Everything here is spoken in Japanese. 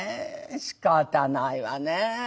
しかたないわね。